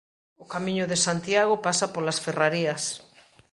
O camiño de Santiago pasa polas Ferrarías.